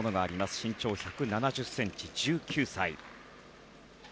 身長１７０ｃｍ、１９歳。